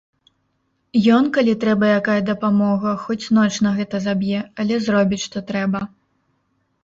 Ён, калі трэба якая дапамога, хоць ноч на гэта заб'е, але зробіць, што трэба.